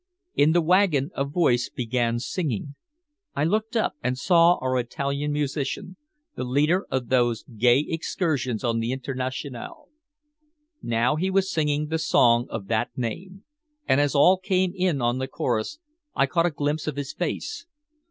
In the wagon a voice began singing. I looked up and saw our Italian musician, the leader of those gay excursions on The Internationale. Now he was singing the song of that name. And as all came in on the chorus, I caught a glimpse of his face.